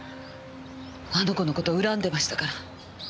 あの子の事恨んでましたから。